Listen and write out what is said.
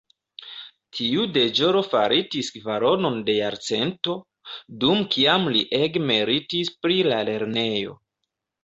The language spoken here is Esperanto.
Tiu deĵoro faritis kvaronon da jarcento, dum kiam li ege meritis pri la lernejo.